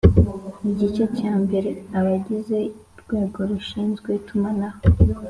Igice cya mbere: Abagize urwego rushinzwe itumanaho